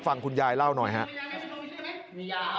ฟังคุณยายเล่าหน่อยครับ